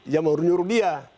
ya mau menyuruh dia